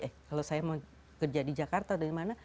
eh kalau saya mau kerja di jakarta dari mana